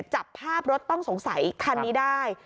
จับภาพรถต้องสงสัยคันนี้ได้